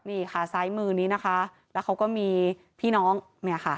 นี่ค่ะซ้ายมือนี้นะคะแล้วเขาก็มีพี่น้องเนี่ยค่ะ